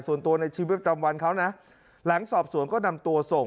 ส่วนตัวในชีวิตจำวันเขานะหลังสอบสวนก็นำตัวส่ง